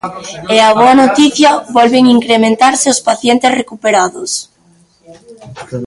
E a boa noticia volven incrementarse os pacientes recuperados.